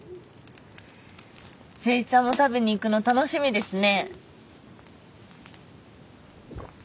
誠一さんも食べに行くの楽しみですね。